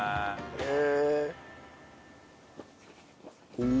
へえ。